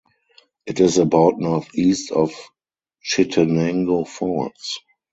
It is about northeast of Chittenango Falls.